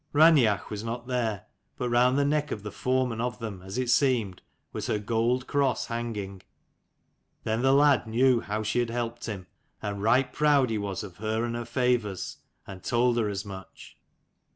Raineach was not there ; but round the neck of the foreman of them, as it seemed, was her gold cross hanging. Then the lad^knew how she had helped him : and right proud he was of her and her favours, and told her as much.